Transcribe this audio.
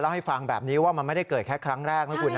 เล่าให้ฟังแบบนี้ว่ามันไม่ได้เกิดแค่ครั้งแรก